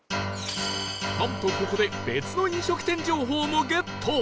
なんとここで別の飲食店情報もゲット！